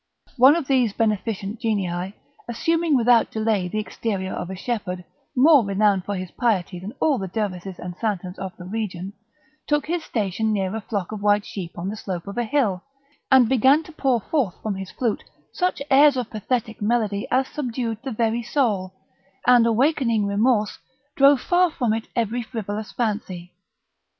One of these beneficent Genii, assuming without delay the exterior of a shepherd, more renowned for his piety than all the Dervises and Santons of the region, took his station near a flock of white sheep on the slope of a hill, and began to pour forth from his flute such airs of pathetic melody as subdued the very soul, and, awakening remorse, drove far from it every frivolous fancy.